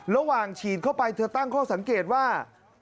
ฉีดเข้าไปเธอตั้งข้อสังเกตว่า